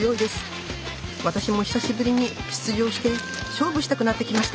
私も久しぶりに出場して勝負したくなってきました！